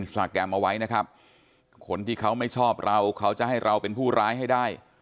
สตาแกรมเอาไว้นะครับคนที่เขาไม่ชอบเราเขาจะให้เราเป็นผู้ร้ายให้ได้